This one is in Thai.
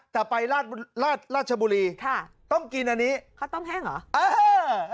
แต่ไปราชบุรีค่ะต้องกินอันนี้ข้าวต้มแห้งเหรอเออ